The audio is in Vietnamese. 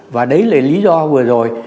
và đấy là lý do vừa rồi